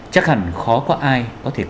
chắc hẳn khó có ai có thể khỏi